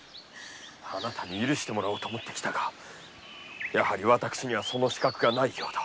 あなたに許してもらおうと思ってきたがやはり私にはその資格はないようだ。